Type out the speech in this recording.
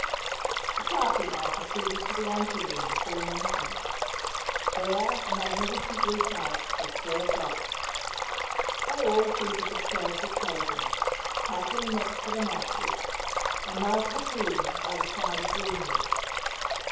The party now proceeded to the ante room before mentioned. There a magnificent repast was served up. They all seated themselves at table, Kathleen next to the Marquis, and Malkhatoun by the side of Greenwood.